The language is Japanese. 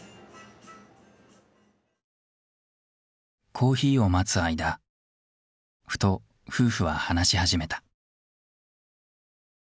コーヒーを待つ間ふと夫婦は話し始めた。